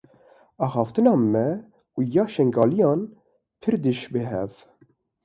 Axaftina me û ya şingaliyan pir dişibe hev.